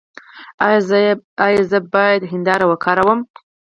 ایا زه باید شیشه وکاروم؟